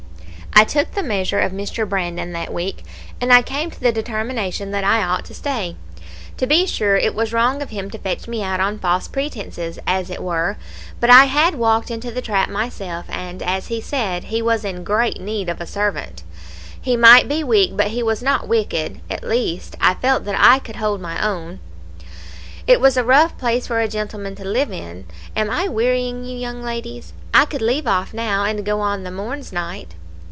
"I took the measure of Mr. Brandon that week, and I came to the determination that I ought to stay. To be sure it was wrong of him to fetch me out on false pretences, as it were, but I had walked into the trap myself, and, as he said, he was in great need of a servant. He might be weak, but he was not wicked; at least, I felt that I could hold my own. It was a rough place for a gentleman to live in. Am I wearying you, young ladies? I could leave off now, and go on the morn's night."